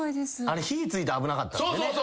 あれ火ついたら危なかったんですよね。